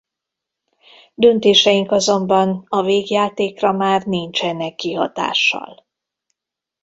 Döntéseink azonban a végjátékra már nincsenek kihatással.